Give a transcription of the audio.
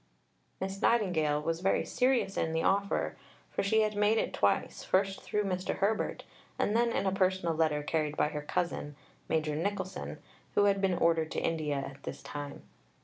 " Miss Nightingale was very serious in the offer, for she had made it twice; first through Mr. Herbert, and then in a personal letter, carried by her cousin, Major Nicholson, who had been ordered to India at this time.